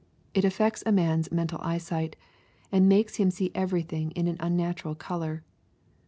It affects a man's mental eyesight, and makes him see everything in an unnatural color.